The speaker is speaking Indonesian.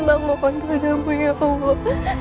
minta maaf padamu ya allah